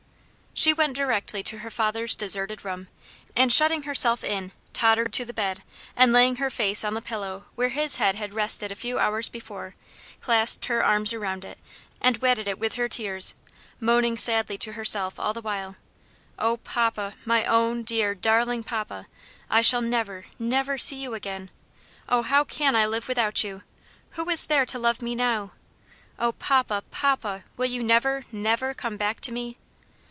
She went directly to her father's deserted room, and shutting herself in, tottered to the bed, and laying her face on the pillow where his head had rested a few hours before, clasped her arms around it, and wetted it with her tears, moaning sadly to herself the while, "Oh, papa, my own dear, darling papa! I shall never, never see you again! Oh, how can I live without you? who is there to love me now? Oh, papa, papa, will you never, never come back to me?